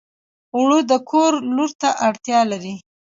اوړه د کور لور ته اړتیا لري